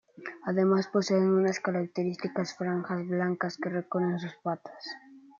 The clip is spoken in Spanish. Además, posee unas características franjas blancas que recorren sus patas.